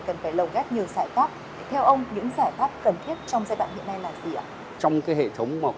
cần phải lồng gác nhiều giải pháp theo ông những giải pháp cần thiết trong giai đoạn hiện nay là gì ạ